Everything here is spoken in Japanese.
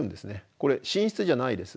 これ寝室じゃないです。